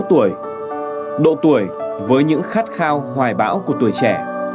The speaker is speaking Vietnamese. hai mươi sáu tuổi độ tuổi với những khát khao hoài bão của tuổi trẻ